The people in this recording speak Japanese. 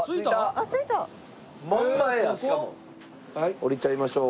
降りちゃいましょう。